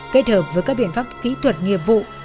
kết hợp với các biện pháp kỹ thuật nghiệp vụ